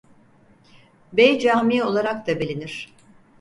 Bey Camii olarak da bilinir.